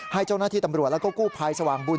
ให้เจ้าหน้าที่ตำรวจแล้วก็กู้ภัยสว่างบุญ